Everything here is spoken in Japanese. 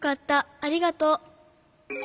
ありがとう。